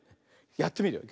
やってみるよ。